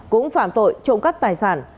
cũng phạm tội trộm cấp tài sản